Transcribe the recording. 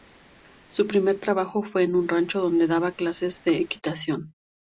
Su primer trabajo fue en un rancho, donde daba clases de equitación.